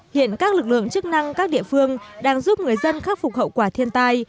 hiện các lực lượng chức năng các địa phương đang giúp người dân khắc phục hậu quả thiên tai